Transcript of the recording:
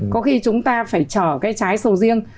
có khi chúng ta phải trở cái trái sầu riêng